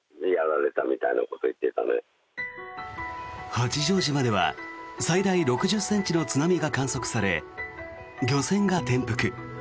八丈島では最大６０ｃｍの津波が観測され漁船が転覆。